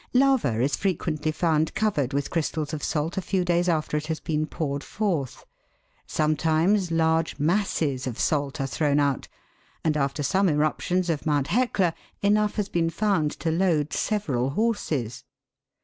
Lava is frequently found covered with crystals of salt a few days after it has been poured forth ; sometimes large masses of salt are thrown out, and after some eruptions of Mount Hecla enough has been found to load several horses.